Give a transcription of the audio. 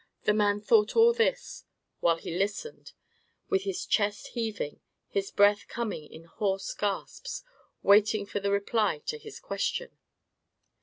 The man thought all this while he listened, with his chest heaving, his breath coming in hoarse gasps, waiting for the reply to his question.